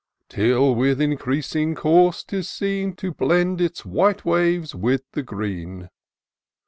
Till, with increasing course, 'tis seen To blend its white waves with the green.